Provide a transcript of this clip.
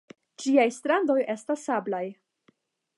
Ĝiaj strandoj estas sablaj.